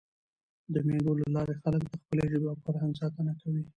د مېلو له لاري خلک د خپلي ژبي او فرهنګ ساتنه کوي.